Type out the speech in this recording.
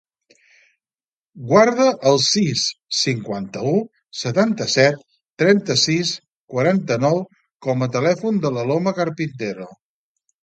Guarda el sis, cinquanta-u, setanta-set, trenta-sis, quaranta-nou com a telèfon de l'Aloma Carpintero.